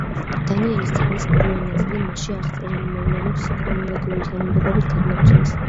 დანიელის წიგნის პირველი ნაწილი მასში აღწერილ მოვლენებს ქრონოლოგიური თანმიმდევრობით გადმოგვცემს.